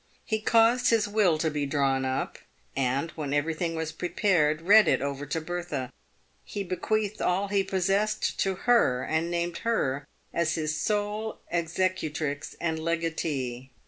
He caused his will to be drawn up, and, when everything was prepared, read it over to Bertha. He bequeathed all he possessed to her, and named her as his sole executrix and legatee.